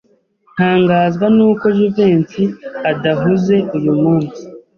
Ntangazwa nuko Jivency adahuze uyu munsi.